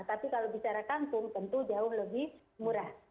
tapi kalau bicara kangkung tentu jauh lebih murah